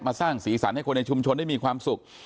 มาสร้างศรีสรรค์ให้คนในชุมชนได้มีความสุข